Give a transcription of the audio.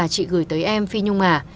chị gửi tới em phi nhung à